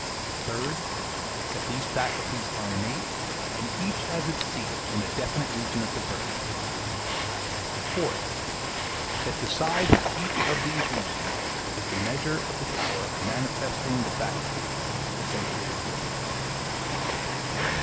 Third That these faculties are innate, and each has its seat in a definite region of the brain. Fourth That the size of each of these regions is the measure of the power of manifesting the faculty associated with it.